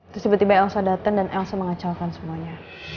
terus tiba tiba elsa datang dan elsa mengacaukan semuanya